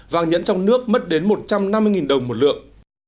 vàng nhẫn trong nước mất đến một trăm năm mươi đồng một lượng